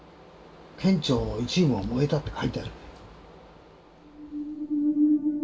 県庁の一部が燃えたって書いてあるね。